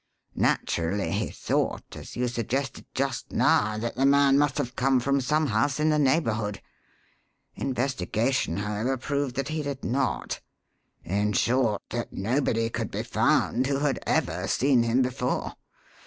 Naturally, he thought, as you suggested just now, that the man must have come from some house in the neighbourhood. Investigation, however, proved that he did not in short, that nobody could be found who had ever seen him before.